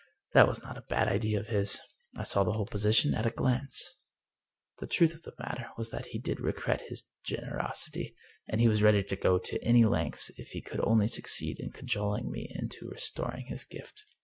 That was not a bad idea of his. I saw the whole position at a glance. The truth of the matter was that he did regret his generosity, and he was ready to go any lengths if he could only suc ceed in cajoling me into restoring his gift.